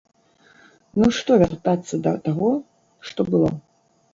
Ну што вяртацца да таго, што было?!